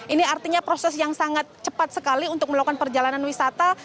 ini artinya proses yang sangat cepat sekali untuk melakukan perjalanan wisata